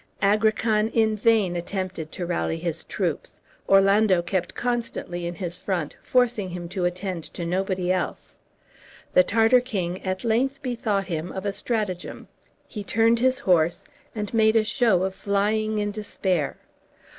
Agrican in vain attempted to rally his troops. Orlando kept constantly in his front, forcing him to attend to nobody else. The Tartar king at length bethought him of a stratagem. He turned his horse, and made a show of flying in despair.